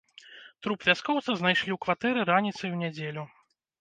Труп вяскоўца знайшлі ў кватэры раніцай у нядзелю.